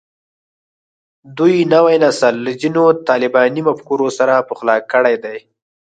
دوی نوی نسل له ځینو طالباني مفکورو سره پخلا کړی دی